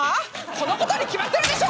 このことに決まってるでしょ！